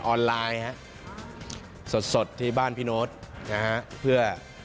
ออนไลน์ค่ะสดที่บ้านพี่โน้ตเพื่อ